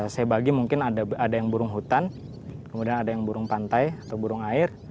saya bagi mungkin ada yang burung hutan kemudian ada yang burung pantai atau burung air